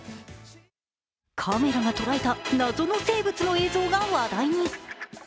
カメラが捉えた謎の生物の映像が話題に。